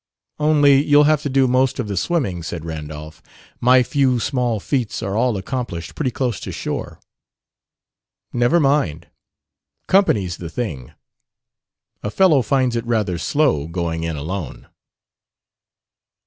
"Only, you'll have to do most of the swimming," said Randolph. "My few small feats are all accomplished pretty close to shore." "Never mind. Company's the thing. A fellow finds it rather slow, going in alone."